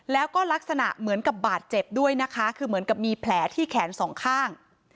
แล้วก็ลักษณะเหมือนกับบาดเจ็บด้วยนะคะคือเหมือนกับมีแผลที่แขนสองข้าง